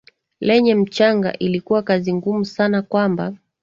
lenye mchanga ilikuwa kazi ngumu sana kwamba